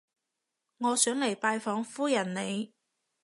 我想嚟拜訪夫人你